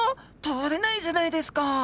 通れないじゃないですか。